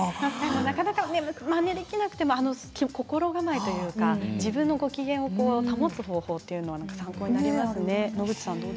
なかなかまねできなくても心構えというか自分の機嫌を保つ方法というのが参考になりますね。